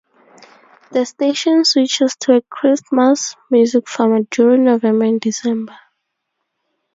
The station switches to a Christmas music format during November and December.